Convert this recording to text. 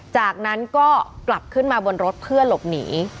จากนั้นก็กลับขึ้นมาบนรถเพื่อหลบหนี